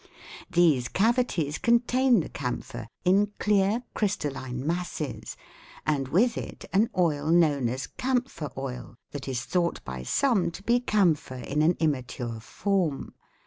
These cavities contain the camphor in clear crystalline masses, and with it an oil known as camphor oil, that is thought by some to be camphor in an immature form.